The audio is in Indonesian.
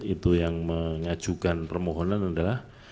itu yang mengajukan permohonan adalah